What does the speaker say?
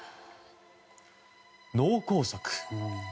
脳梗塞。